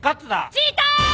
チーターズ！